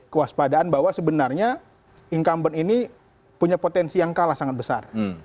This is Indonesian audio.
kewaspadaan bahwa sebenarnya incumbent ini punya potensi yang kalah sangat besar